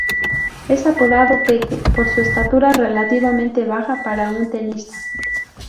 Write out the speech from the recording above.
Es apodado "Peque" por su estatura relativamente baja para un tenista.